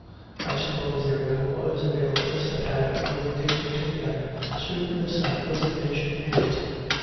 I suppose there never was an illness that had more of dignity and sweetness and resignation in it.